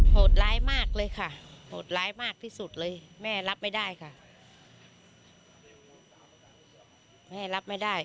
โหดร้ายมากเลยค่ะแม่รับไม่ได้ค่ะ